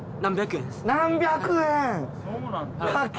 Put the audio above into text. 何百円。